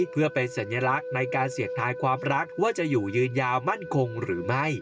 เพื่อเป็นสัญลักษณ์ในการเสี่ยงทายความรักว่าจะอยู่ยืนยาวมั่นคงหรือไม่